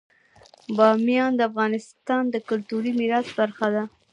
بامیان د افغانستان د کلتوري میراث برخه ده.